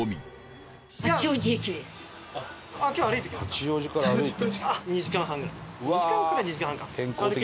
八王子から歩いて？